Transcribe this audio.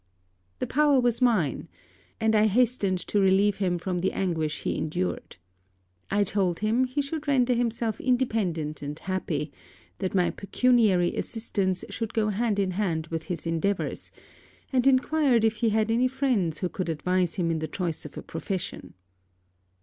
The power was mine; and I hastened to relieve him from the anguish he endured. I told him, he should render himself independent and happy; that my pecuniary assistance should go hand and hand with his endeavours; and enquired if he had any friends who could advise him in the choice of a profession.